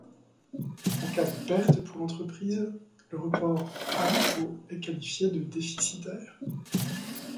En cas de perte pour l'entreprise, le report à nouveau est qualifié de déficitaire.